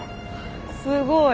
すごい。